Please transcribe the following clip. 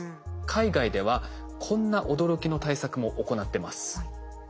海外ではこんな驚きの対策も行ってます。